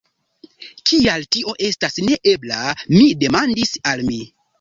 "Kial tio estas neebla?" mi demandis al mi.